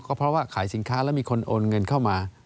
ก็เพราะว่าขายสินค้าแล้วมีคนโอนเงินเข้ามา